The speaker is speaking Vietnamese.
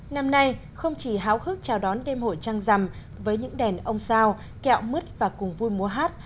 năm nay không chỉ háo hức chào đón đêm hội trăng rằm với những đèn ông sao kẹo mứt và cùng vui múa hát